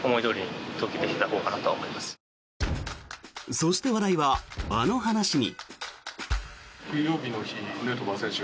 そして話題は、あの話に。